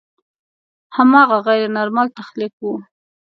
هماغه غیر نارمل تخلیق و.